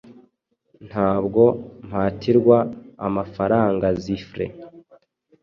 Ntabwo mpatirwa amafarangaZifre